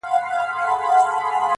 o توروه سترگي ښايستې په خامـوشـۍ كي.